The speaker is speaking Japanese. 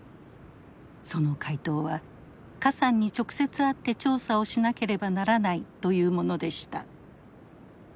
その回答は何さんに直接会って調査をしなければならないというものでした。